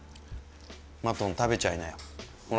マトン食べちゃいなよ。